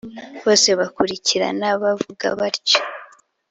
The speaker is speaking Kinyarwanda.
bose bakurikirana bavuga batyo,